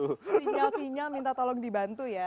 sinyal sinyal minta tolong dibantu ya